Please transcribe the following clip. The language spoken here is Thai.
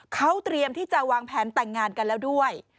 เขาเตรียมที่จะวางแผนแต่งงานกันแล้วด้วย